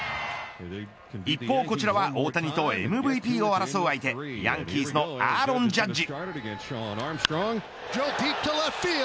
一方、こちらは大谷とＭＶＰを争う相手ヤンキースのアーロン・ジャッジ。